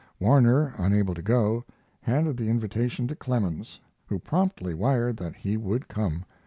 Warner, unable to go, handed the invitation to Clemens, who promptly wired that he would come.